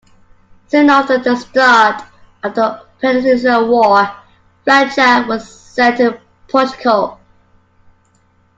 Soon after the start of the Peninsular War, Fletcher was sent to Portugal.